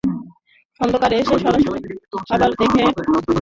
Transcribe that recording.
খদ্দেররা এসে সরাসরি খাবার দেখে থালায় করে নিয়ে গিয়ে টেবিলে বসেন খেতে।